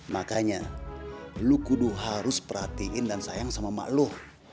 makanya lu kudu harus perhatiin dan sayang sama makluh